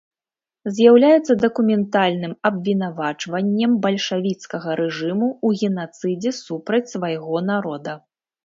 З'яўляецца дакументальным абвінавачваннем бальшавіцкага рэжыму ў генацыдзе супраць свайго народа.